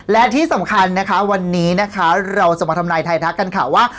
และที่สำคัญนะคะวันนี้นะคะเราจะมาทำนายไทยทักกันค่ะว่า